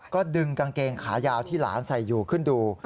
ก็ดึงกางเกงขายาวที่หลานใส่อยู่ขึ้นดู